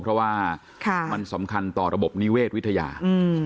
เพราะว่าค่ะมันสำคัญต่อระบบนิเวศวิทยาอืม